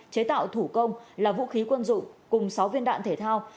chế tạo thủ công là vũ khí quân dụng cùng sáu viên đạn thể thao